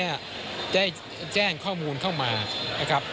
ที่จะแจ้งข้อมูลเข้ามา